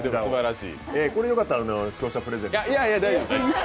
これ、よかったら視聴者プレゼント